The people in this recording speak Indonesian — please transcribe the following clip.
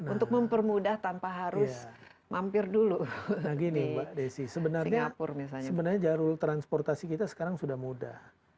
untuk mempermudah tanpa harus mampir dulu sebenarnya jarul transportasi kita sekarang sudah mudah